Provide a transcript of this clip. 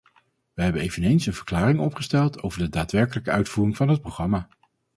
Wij hebben eveneens een verklaring opgesteld over de daadwerkelijke uitvoering van het programma.